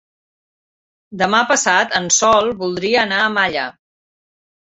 Demà passat en Sol voldria anar a Malla.